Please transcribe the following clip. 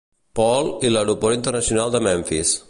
Paul, i Aeroport internacional de Memphis.